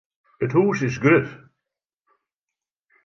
It hûs is grut.